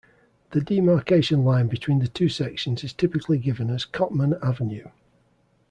The demarcation line between the two sections is typically given as Cottman Avenue.